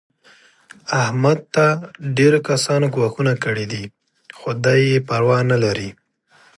احمد ته ډېرو کسانو ګواښونه کړي دي. خو دی یې پروا نه لري.